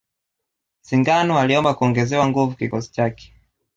Singano aliomba kungezewa nguvu kikosi chake